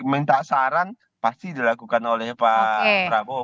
minta saran pasti dilakukan oleh pak prabowo